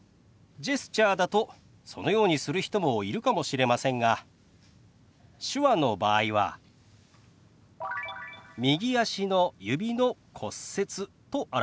ジェスチャーだとそのようにする人もいるかもしれませんが手話の場合は「右足の指の骨折」と表します。